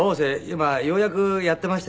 今ようやくやってましてね